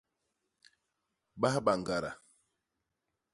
Bahba ñgada.